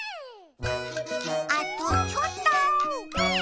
あとちょっと。